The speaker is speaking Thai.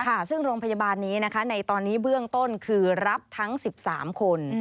ค่ะซึ่งโรงพยาบาลนี้นะคะในตอนนี้เบื้องต้นคือรับทั้ง๑๓คน